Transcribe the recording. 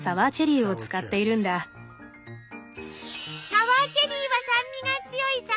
サワーチェリーは酸味が強いさくらんぼ。